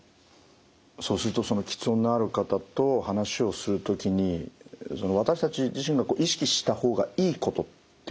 そうするとその吃音のある方と話をする時に私たち自身が意識した方がいいことっていうのは。